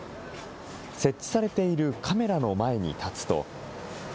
設置されているカメラの前に立つと。